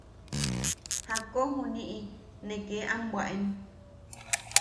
Jakko juniʼi ne kee am bwaʼen.